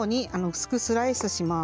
薄くスライスします。